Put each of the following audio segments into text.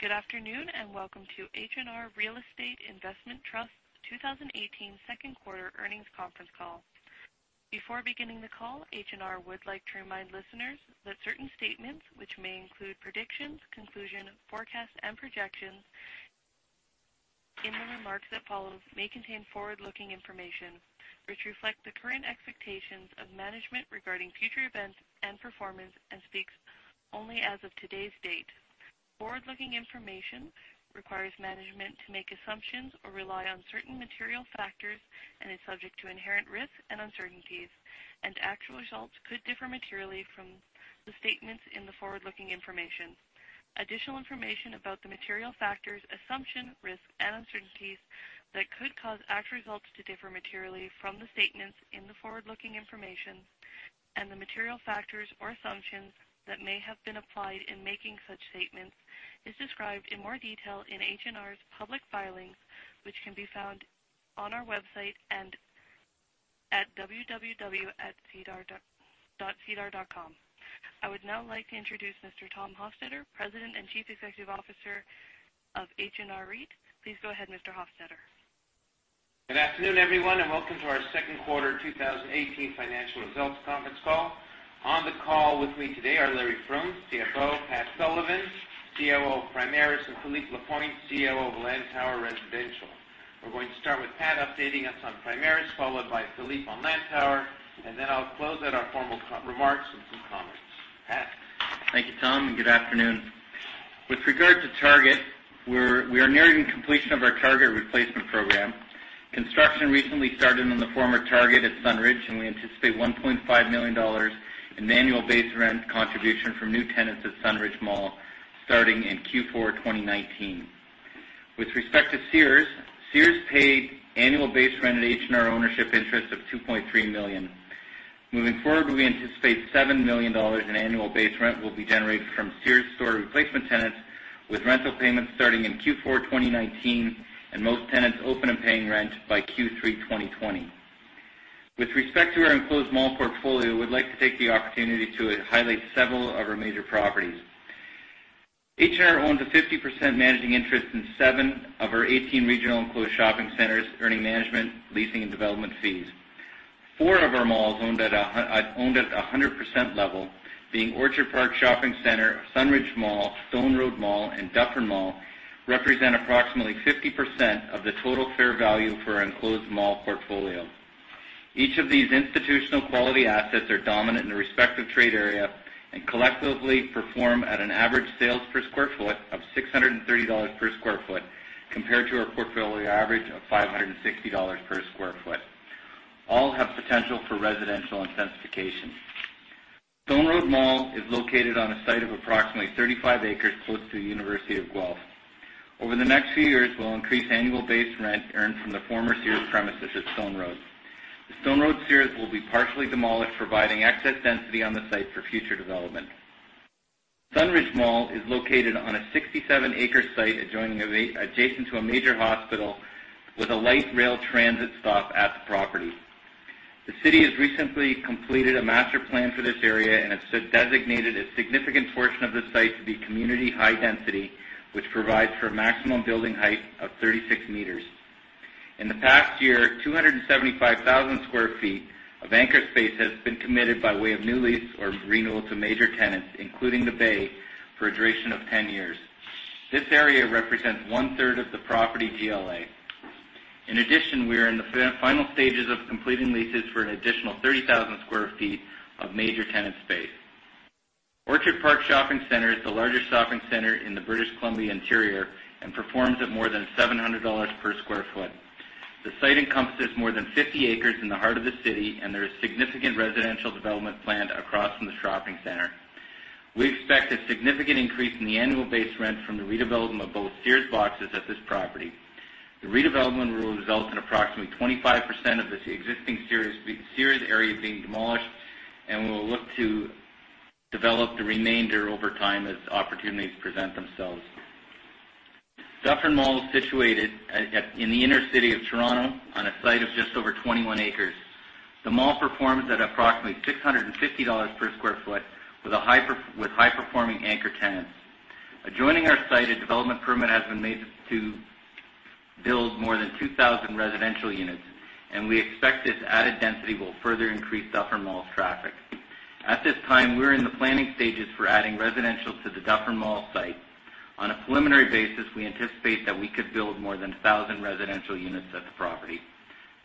Good afternoon, and welcome to H&R Real Estate Investment Trust 2018 second quarter earnings conference call. Before beginning the call, H&R would like to remind listeners that certain statements which may include predictions, conclusion, forecasts, and projections in the remarks that follow may contain forward-looking information which reflect the current expectations of management regarding future events and performance, and speaks only as of today's date. Forward-looking information requires management to make assumptions or rely on certain material factors and is subject to inherent risks and uncertainties. Actual results could differ materially from the statements in the forward-looking information. Additional information about the material factors, assumption, risks, and uncertainties that could cause actual results to differ materially from the statements in the forward-looking information, and the material factors or assumptions that may have been applied in making such statements is described in more detail in H&R's public filings, which can be found on our website, and at www.sedarplus.ca I would now like to introduce Mr. Tom Hofstedter, President and Chief Executive Officer of H&R REIT. Please go ahead, Mr. Hofstedter. Good afternoon, everyone, and welcome to our second quarter 2018 financial results conference call. On the call with me today are Larry Froom, CFO; Patrick Sullivan, COO of Primaris; and Philippe Lapointe, COO of Lantower Residential. We're going to start with Pat updating us on Primaris, followed by Philippe on Lantower, then I'll close out our formal remarks with some comments. Pat? Thank you, Tom, and good afternoon. With regard to Target, we are nearing completion of our Target replacement program. Construction recently started on the former Target at Sunridge, and we anticipate 1.5 million dollars in annual base rent contribution from new tenants at Sunridge Mall, starting in Q4 2019. With respect to Sears paid annual base rent at H&R ownership interest of 2.3 million. Moving forward, we anticipate 7 million dollars in annual base rent will be generated from Sears store replacement tenants with rental payments starting in Q4 2019, and most tenants open and paying rent by Q3 2020. With respect to our enclosed mall portfolio, we'd like to take the opportunity to highlight several of our major properties. H&R owns a 50% managing interest in seven of our 18 regional enclosed shopping centers, earning management, leasing, and development fees. Four of our malls owned at 100% level, being Orchard Park Shopping Center, Sunridge Mall, Stone Road Mall, and Dufferin Mall, represent approximately 50% of the total fair value for our enclosed mall portfolio. Each of these institutional quality assets are dominant in the respective trade area and collectively perform at an average sales per square foot of 630 dollars per square foot compared to our portfolio average of 560 dollars per square foot. All have potential for residential intensification. Stone Road Mall is located on a site of approximately 35 acres close to the University of Guelph. Over the next few years, we'll increase annual base rent earned from the former Sears premises at Stone Road. The Stone Road Sears will be partially demolished, providing excess density on the site for future development. Sunridge Mall is located on a 67-acre site adjacent to a major hospital with a light rail transit stop at the property. The city has recently completed a master plan for this area and has designated a significant portion of the site to be community high density, which provides for a maximum building height of 36 meters. In the past year, 275,000 square feet of anchor space has been committed by way of new lease or renewal to major tenants, including Hudson's Bay, for a duration of 10 years. This area represents one-third of the property GLA. In addition, we are in the final stages of completing leases for an additional 30,000 square feet of major tenant space. Orchard Park Shopping Center is the largest shopping center in the British Columbia interior and performs at more than 700 dollars per square foot. The site encompasses more than 50 acres in the heart of the city, there is significant residential development planned across from the shopping center. We expect a significant increase in the annual base rent from the redevelopment of both Sears boxes at this property. The redevelopment will result in approximately 25% of the existing Sears area being demolished, we will look to develop the remainder over time as opportunities present themselves. Dufferin Mall is situated in the inner city of Toronto on a site of just over 21 acres. The mall performs at approximately 650 dollars per square foot with high-performing anchor tenants. Adjoining our site, a development permit has been made to build more than 2,000 residential units, we expect this added density will further increase Dufferin Mall's traffic. At this time, we're in the planning stages for adding residential to the Dufferin Mall site. On a preliminary basis, we anticipate that we could build more than 1,000 residential units at the property.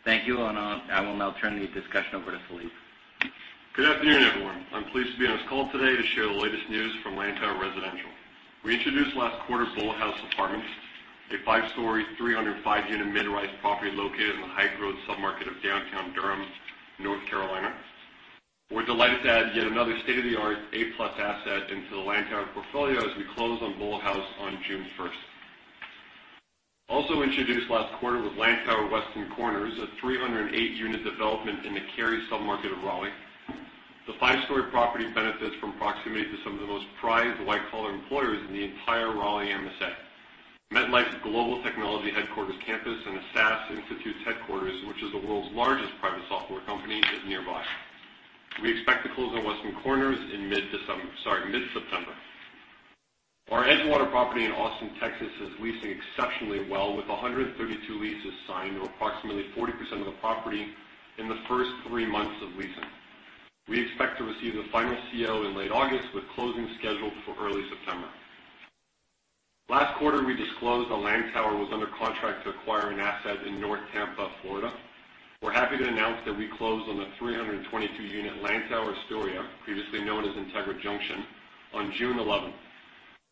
Thank you, I will now turn the discussion over to Philippe. Good afternoon, everyone. I am pleased to be on this call today to share the latest news from Lantower Residential. We introduced last quarter BullHouse Apartments, a five-story, 305-unit mid-rise property located in the High Grove submarket of downtown Durham, North Carolina. We are delighted to add yet another state-of-the-art A+ asset into the Lantower portfolio as we close on BullHouse on June 1st. Also introduced last quarter was Lantower Weston Corners, a 308-unit development in the Cary submarket of Raleigh. The five-story property benefits from proximity to some of the most prized white-collar employers in the entire Raleigh MSA. MetLife's global technology headquarters campus and the SAS Institute's headquarters, which is the world's largest private software company, is nearby. We expect to close on Weston Corners in mid-September. Our Edgewater property in Austin, Texas, is leasing exceptionally well, with 132 leases signed, or approximately 40% of the property in the first three months of leasing. We expect to receive the final CO in late August, with closing scheduled for early September. Last quarter, we disclosed that Lantower was under contract to acquire an asset in North Tampa, Florida. We are happy to announce that we closed on the 322-unit Lantower Astoria, previously known as Integra Junction, on June 11.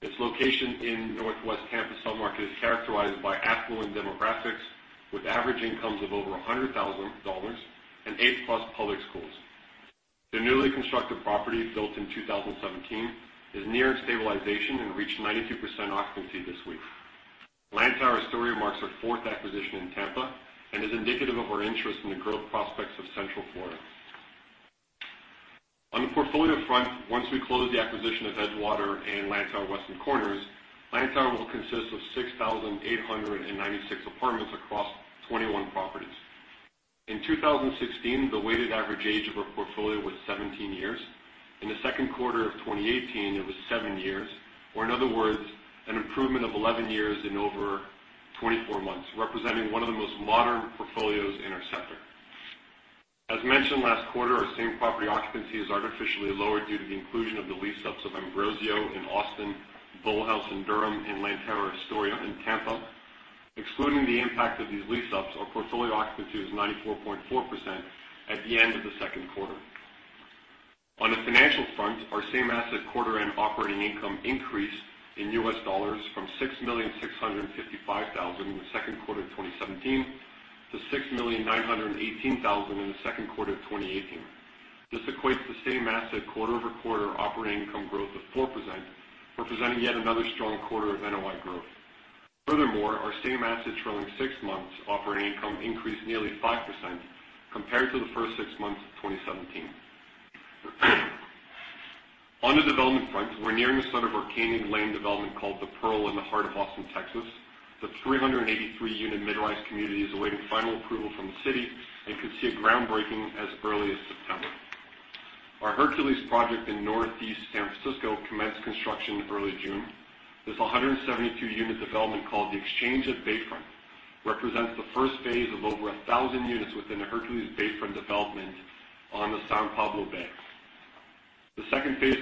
Its location in Northwest Tampa submarket is characterized by affluent demographics, with average incomes of over $100,000 and A-plus public schools. The newly constructed property, built in 2017, is nearing stabilization and reached 92% occupancy this week. Lantower Astoria marks our fourth acquisition in Tampa and is indicative of our interest in the growth prospects of Central Florida. On the portfolio front, once we close the acquisition of Edgewater and Lantower Weston Corners, Lantower will consist of 6,896 apartments across 21 properties. In 2016, the weighted average age of our portfolio was 17 years. In the second quarter of 2018, it was 7 years, or in other words, an improvement of 11 years in over 24 months, representing one of the most modern portfolios in our sector. As mentioned last quarter, our same-property occupancy is artificially lower due to the inclusion of the lease-ups of Ambrosio in Austin, BullHouse in Durham, and Lantower Astoria in Tampa. Excluding the impact of these lease-ups, our portfolio occupancy is 94.4% at the end of the second quarter. On the financial front, our same asset quarter and operating income increased in US dollars from $6,655,000 in the second quarter of 2017 to $6,918,000 in the second quarter of 2018. This equates to same-asset quarter-over-quarter operating income growth of 4%, representing yet another strong quarter of NOI growth. Furthermore, our same assets rolling six months operating income increased nearly 5% compared to the first six months of 2017. On the development front, we are nearing the start of our Koenig Lane development called The Pearl in the heart of Austin, Texas. The 383-unit mid-rise community is awaiting final approval from the city and could see groundbreaking as early as September. Our Hercules project in Northeast San Francisco commenced construction in early June. This 172-unit development, called The Exchange at Bayfront, represents the first phase of over 1,000 units within the Hercules Bayfront development on the San Pablo Bay. The second phase,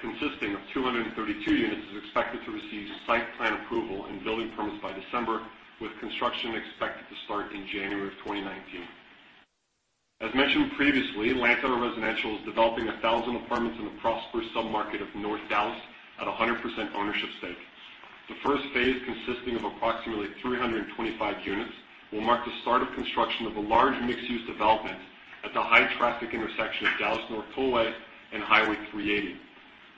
consisting of 232 units, is expected to receive site plan approval and building permits by December, with construction expected to start in January of 2019. As mentioned previously, Lantower Residential is developing 1,000 apartments in the prosperous submarket of North Dallas at 100% ownership stake. The first phase, consisting of approximately 325 units, will mark the start of construction of a large mixed-use development at the high-traffic intersection of Dallas North Tollway and Highway 380.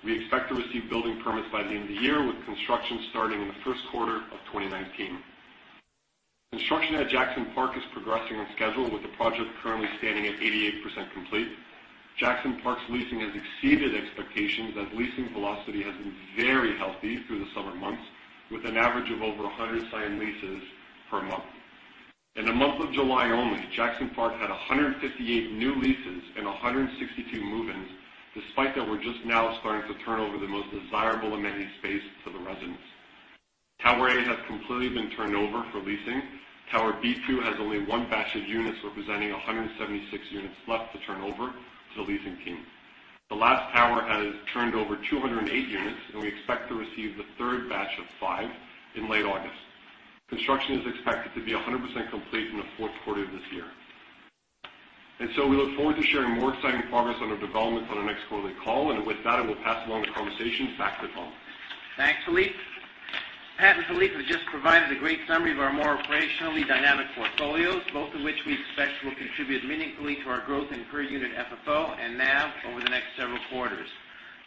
We expect to receive building permits by the end of the year, with construction starting in the first quarter of 2019. Construction at Jackson Park is progressing on schedule, with the project currently standing at 88% complete. Jackson Park's leasing has exceeded expectations as leasing velocity has been very healthy through the summer months, with an average of over 100 signed leases per month. In the month of July only, Jackson Park had 158 new leases and 162 move-ins, despite that we are just now starting to turn over the most desirable amenity space to the residents. Tower A has completely been turned over for leasing. Tower B2 has only one batch of units representing 176 units left to turn over to the leasing team. The last tower has turned over 208 units, and we expect to receive the third batch of 5 in late August. Construction is expected to be 100% complete in the fourth quarter of this year. We look forward to sharing more exciting progress on our developments on the next quarterly call. With that, I will pass along the conversation back to Tom. Thanks, Philippe. Pat and Philippe have just provided a great summary of our more operationally dynamic portfolios, both of which we expect will contribute meaningfully to our growth in per-unit FFO and NAV over the next several quarters.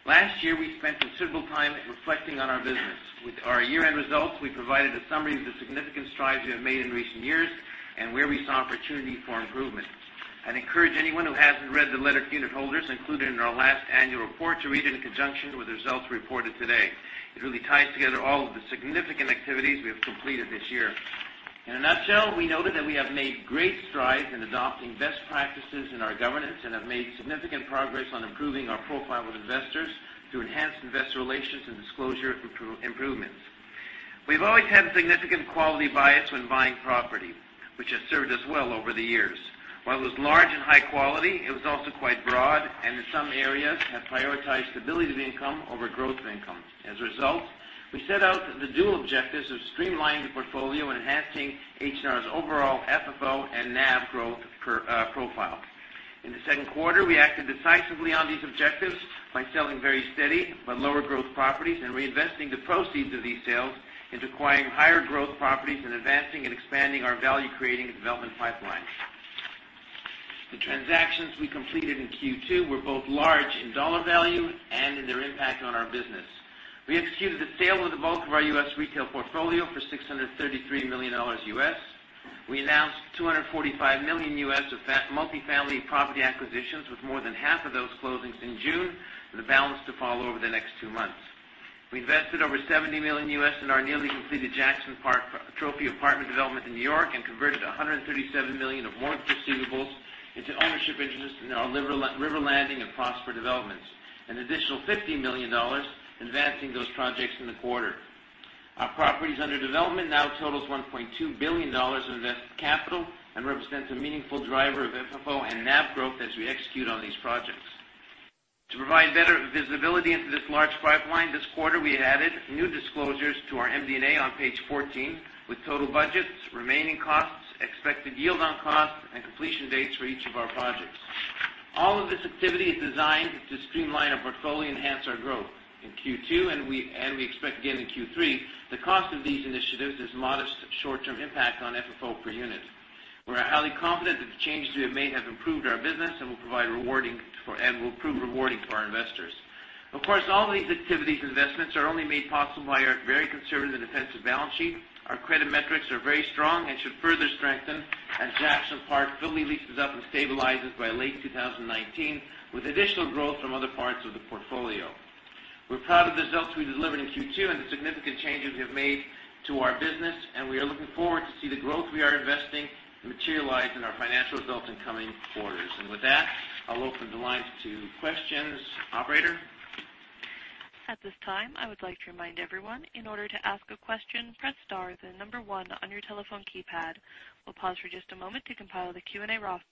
Last year, we spent considerable time reflecting on our business. With our year-end results, we provided a summary of the significant strides we have made in recent years and where we saw opportunity for improvement. I would encourage anyone who has not read the letter to unitholders included in our last annual report to read it in conjunction with the results reported today. It really ties together all of the significant activities we have completed this year. In a nutshell, we noted that we have made great strides in adopting best practices in our governance and have made significant progress on improving our profile with investors through enhanced investor relations and disclosure improvements. We have always had a significant quality bias when buying property, which has served us well over the years. While it was large and high quality, it was also quite broad and in some areas had prioritized stability of income over growth of income. As a result, we set out the dual objectives of streamlining the portfolio and enhancing H&R's overall FFO and NAV growth profile. In the second quarter, we acted decisively on these objectives by selling very steady but lower growth properties and reinvesting the proceeds of these sales into acquiring higher growth properties and advancing and expanding our value-creating development pipeline. The transactions we completed in Q2 were both large in dollar value and in their impact on our business. We executed the sale of the bulk of our U.S. retail portfolio for $633 million. We announced $245 million of multifamily property acquisitions, with more than half of those closings in June, and the balance to follow over the next two months. We invested over $70 million in our nearly completed Jackson Park trophy apartment development in N.Y. and converted 137 million of warrant receivables into ownership interests in our River Landing and Prosper developments. An additional 50 million dollars investing those projects in the quarter. Our properties under development now totals 1.2 billion dollars of invested capital and represents a meaningful driver of FFO and NAV growth as we execute on these projects. To provide better visibility into this large pipeline this quarter, we added new disclosures to our MD&A on page 14 with total budgets, remaining costs, expected yield on cost, and completion dates for each of our projects. All of this activity is designed to streamline our portfolio, enhance our growth. In Q2, and we expect again in Q3, the cost of these initiatives is a modest short-term impact on FFO per unit. We're highly confident that the changes we have made have improved our business and will prove rewarding for our investors. Of course, all these activities, investments are only made possible by our very conservative and defensive balance sheet. Our credit metrics are very strong and should further strengthen as Jackson Park fully leases up and stabilizes by late 2019 with additional growth from other parts of the portfolio. We're proud of the results we delivered in Q2 and the significant changes we have made to our business, and we are looking forward to see the growth we are investing materialize in our financial results in coming quarters. With that, I'll open the lines to questions. Operator? At this time, I would like to remind everyone, in order to ask a question, press star, then number one on your telephone keypad. We'll pause for just a moment to compile the Q&A roster.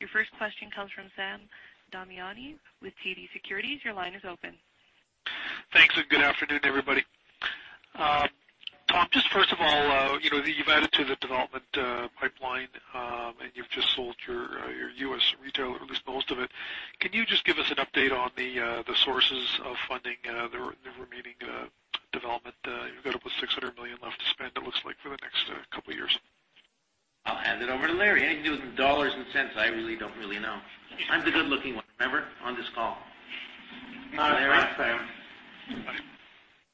Your first question comes from Sam Damiani with TD Securities. Your line is open. Thanks, and good afternoon, everybody. Tom, just first of all, you've added to the development pipeline, and you've just sold your US retail, or at least most of it. Can you just give us an update on the sources of funding the remaining development? You've got up to 600 million left to spend, it looks like for the next couple of years. I'll hand it over to Larry. Anything to do with dollars and cents, I really don't know. I'm the good-looking one, remember, on this call. Larry?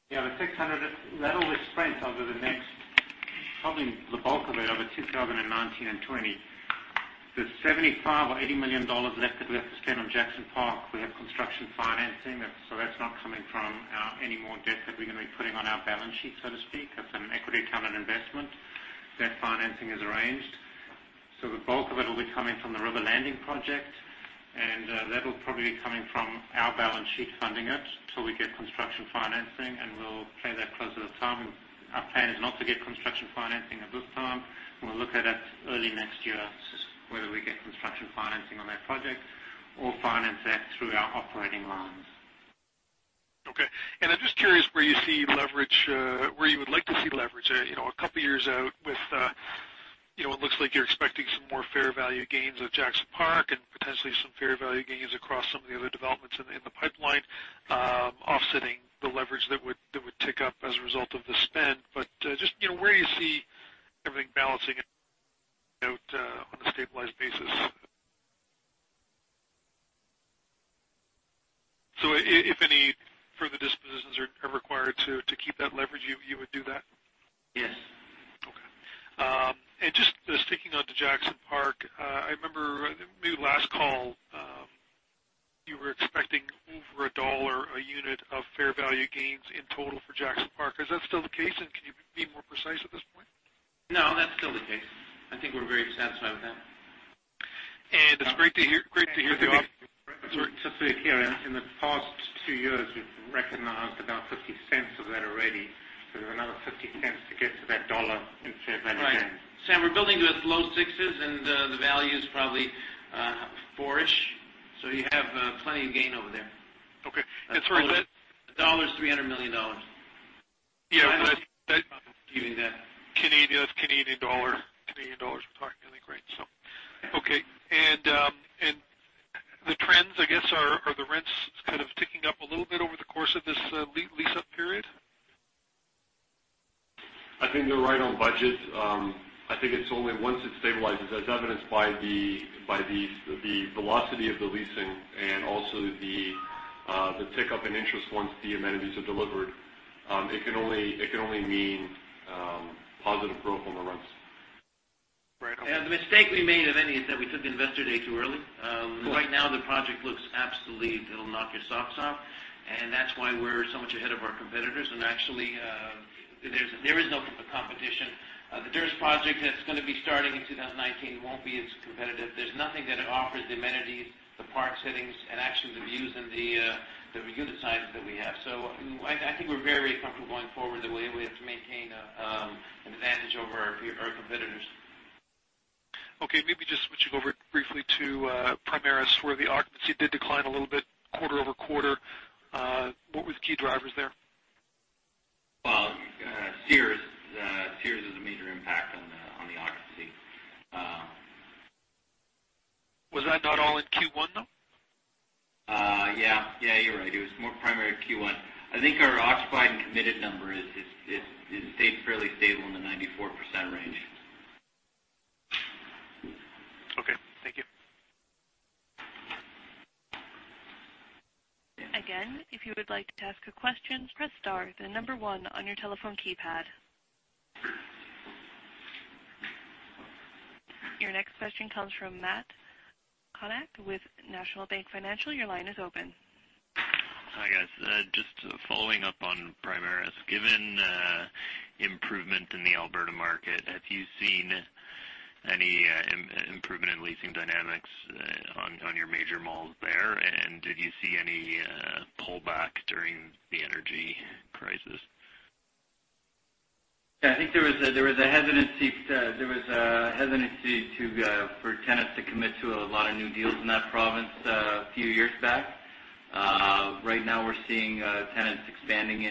Yeah. That will be spent over the next, probably the bulk of it over 2019 and 2020. There's 75 million or 80 million dollars left that we have to spend on Jackson Park. We have construction financing. That's not coming from any more debt that we're going to be putting on our balance sheet, so to speak. That's an equity account and investment. That financing is arranged. The bulk of it will be coming from the River Landing project, and that'll probably be coming from our balance sheet funding it till we get construction financing, and we'll play that closer to the time. Our plan is not to get construction financing at this time, and we'll look at it early next year, whether we get construction financing on that project or finance that through our operating lines. Okay. I'm just curious where you would like to see leverage a couple of years out with It looks like you're expecting some more fair value gains with Jackson Park and potentially some fair value gains across some of the other developments in the pipeline offsetting the leverage that would tick up as a result of the spend. Just where do you see everything balancing out on a stabilized basis? If any further dispositions are required to keep that leverage, you would do that? Yes. Okay. Just sticking onto Jackson Park, I remember maybe last call, you were expecting over CAD 1 a unit of fair value gains in total for Jackson Park. Is that still the case, and can you be more precise at this point? No, that's still the case. I think we're very satisfied with that. It's great to hear. Just to be clear, in the past two years, we've recognized about 0.50 of that already. We have another 0.50 to get to that CAD 1.00 in fair value gains. Right. Sam, we're building to the low sixes, and the value's probably four-ish, so you have plenty of gain over there. Okay. Sorry, A dollar is 300 million dollars. Yeah. I don't mind giving that out. Canadian dollar. We're talking Canadian, right? Okay. The trends, I guess, are the rents kind of ticking up a little bit over the course of this lease-up period? I think they're right on budget. I think it's only once it stabilizes, as evidenced by the velocity of the leasing and also the pickup in interest once the amenities are delivered. It can only mean positive growth on the rents. Right. The mistake we made, if any, is that we took Investor Day too early. Right now, the project looks absolutely It'll knock your socks off. That's why we're so much ahead of our competitors. Actually, there is no competition. The nearest project that's going to be starting in 2019 won't be as competitive. There's nothing that offers the amenities, the park settings, and actually the views and the unit sizes that we have. I think we're very comfortable going forward that we'll be able to maintain an advantage over our competitors. Okay. Maybe just switching over briefly to Primaris, where the occupancy did decline a little bit quarter-over-quarter. What was the key drivers there? Well, Sears was a major impact on the occupancy. Was that not all in Q1, though? Yeah. You're right. It was more Primaris Q1. I think our occupied and committed number stayed fairly stable in the 94% range. Okay. Thank you. Again, if you would like to ask a question, press star, then number 1 on your telephone keypad. Your next question comes from Matt Kornack with National Bank Financial. Your line is open. Hi, guys. Just following up on Primaris. Given improvement in the Alberta market, have you seen any improvement in leasing dynamics on your major malls there? Did you see any pullback during the energy crisis? Yeah, I think there was a hesitancy for tenants to commit to a lot of new deals in that province a few years back. Right now we're seeing tenants expanding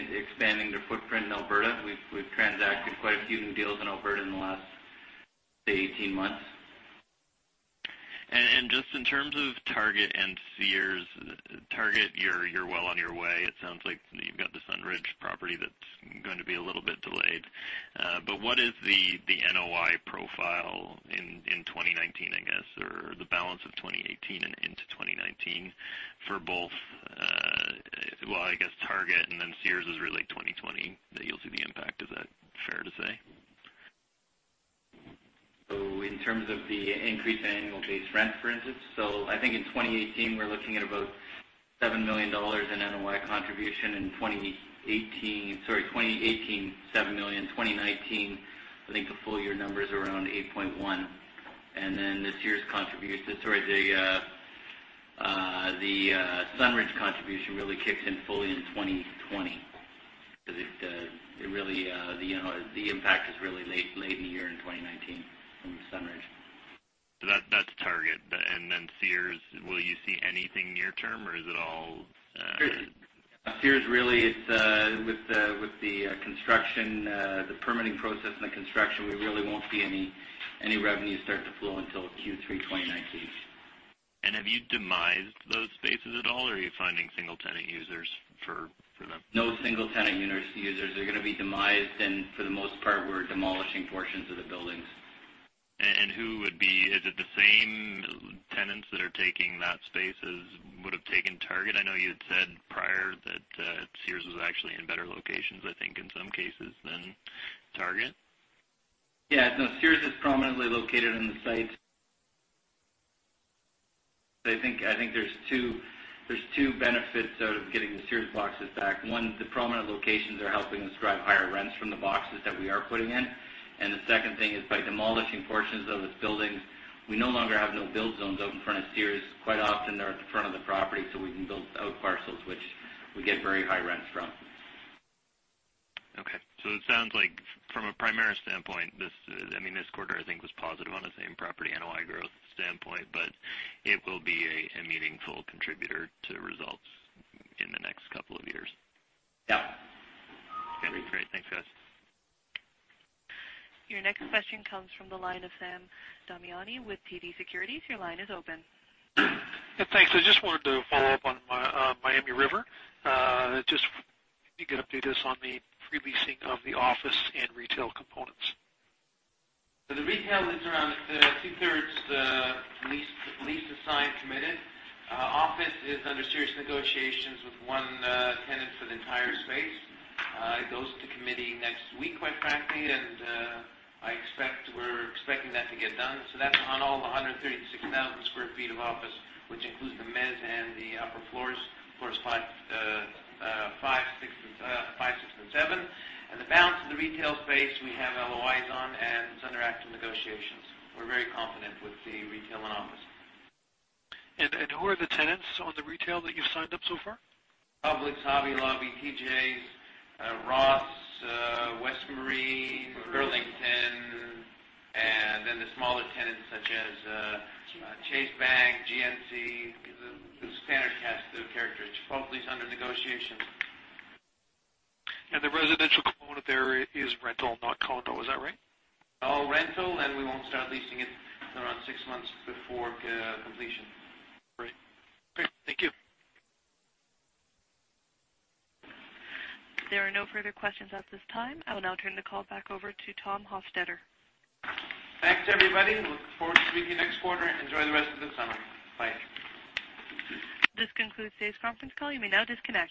their footprint in Alberta. We've transacted quite a few new deals in Alberta in the last, say, 18 months. Just in terms of Target and Sears. Target, you're well on your way, it sounds like. You've got the Sunridge property that's going to be a little bit delayed. What is the NOI profile in 2019, I guess, or the balance of 2018 and into 2019 for both, well, I guess Target, then Sears is really 2020 that you'll see the impact. Is that fair to say? In terms of the increase in annual base rent, for instance. I think in 2018, we're looking at about 7 million dollars in NOI contribution in 2018. Sorry, 2018, 7 million. 2019, I think the full-year number is around 8.1 million. The Sears contribution Sorry, the Sunridge contribution really kicks in fully in 2020. The impact is really late in the year in 2019 from Sunridge. That's Target. Sears, will you see anything near term, or is it all Sears, really, with the permitting process and the construction, we really won't see any revenue start to flow until Q3 2019. Have you demised those spaces at all, or are you finding single-tenant users for them? No single-tenant users. They're going to be demised, and for the most part, we're demolishing portions of the buildings. Is it the same tenants that are taking that space as would've taken Target? I know you had said prior that Sears was actually in better locations, I think, in some cases, than Target. Yeah. No, Sears is prominently located on the site. I think there's two benefits out of getting the Sears boxes back. One, the prominent locations are helping us drive higher rents from the boxes that we are putting in. The second thing is by demolishing portions of its buildings, we no longer have no-build zones out in front of Sears. Quite often they're at the front of the property, so we can build out parcels, which we get very high rents from. Okay. It sounds like from a Primaris standpoint, this quarter, I think, was positive on a same-property NOI growth standpoint, but it will be a meaningful contributor to results in the next couple of years. Yeah. Okay, great. Thanks, guys. Your next question comes from the line of Sam Damiani with TD Securities. Your line is open. Yeah, thanks. I just wanted to follow up on River Landing. Just if you could update us on the pre-leasing of the office and retail components. The retail is around two-thirds lease assigned, committed. Office is under serious negotiations with one tenant for the entire space. It goes to committee next week, quite frankly, we're expecting that to get done. That's on all the 136,000 sq ft of office, which includes the mezz and the upper floors five, six, and seven. The balance of the retail space we have LOIs on, it's under active negotiations. We're very confident with the retail and office. Who are the tenants on the retail that you've signed up so far? Publix, Hobby Lobby, TJ, Ross, West Marine, Burlington, and then the smaller tenants such as Chase Bank, GNC. The standard cast of characters. Chipotle's under negotiation. The residential component there is rental, not condo, is that right? All rental, and we won't start leasing it until around six months before completion. Great. Okay, thank you. There are no further questions at this time. I will now turn the call back over to Tom Hofstedter. Thanks, everybody. We look forward to speaking to you next quarter. Enjoy the rest of the summer. Bye. This concludes today's conference call. You may now disconnect.